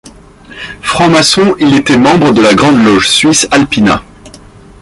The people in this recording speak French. Franc-maçon, il était membre de la Grande Loge suisse Alpina.